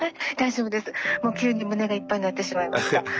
もう急に胸がいっぱいになってしまいました。